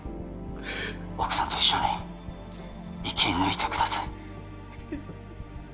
奥さんと一緒に生き抜いてください